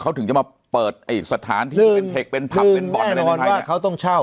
เขาถึงจะมาเปิดไอ้สถานที่เป็นเผ็กเป็นผักเป็นบอร์ดอะไรแบบนี้คือแน่นอนว่าเขาต้องเช่า